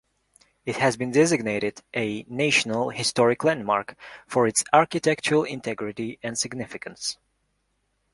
It has been designated a National Historic Landmark for its architectural integrity and significance.